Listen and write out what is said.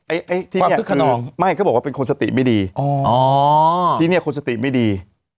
ไอ้ที่เนี้ยคือความซึ้งคันนองไม่เขาบอกว่าเป็นคนสติไม่ดีอ๋อที่เนี้ยคนสติไม่ดี